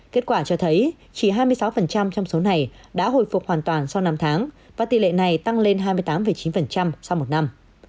kết quả cho thấy chỉ hai mươi sáu trong số này đã hồi phục hoàn toàn sau năm tháng và tỷ lệ này tăng lên hai mươi tám chín sau một năm